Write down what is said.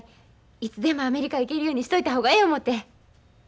いつでもアメリカへ行けるようにしといた方がええ思て。